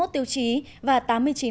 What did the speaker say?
ba mươi một tiêu chí và ba lĩnh vực